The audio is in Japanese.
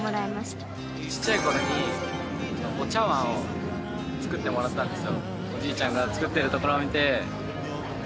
ちっちゃい頃にお茶碗を作ってもらったんですよ。